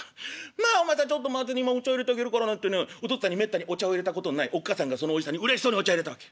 「『まあお前さんちょっと待ってね今お茶いれてあげるから』なんてねお父っつぁんにめったにお茶をいれたことのないおっ母さんがそのおじさんにうれしそうにお茶いれたわけ。